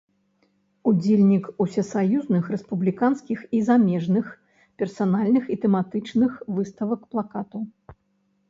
Удзельнік усесаюзных, рэспубліканскіх і замежных, персанальных і тэматычных выставак плакату.